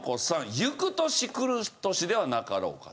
『ゆく年くる年』ではなかろうかと。